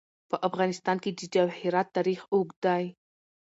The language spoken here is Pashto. په افغانستان کې د جواهرات تاریخ اوږد دی.